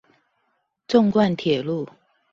縱貫鐵路